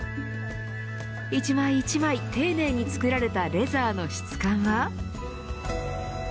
一枚一枚丁寧に作られたレザーの質感は。